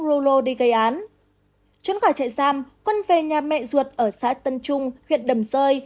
trốn khỏi chạy giam quân về nhà mẹ ruột ở xã tân trung huyện đầm rơi